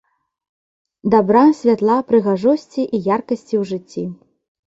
Дабра, святла, прыгажосці і яркасці ў жыцці!